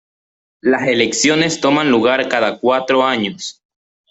Las elecciones toman lugar cada cuatro años.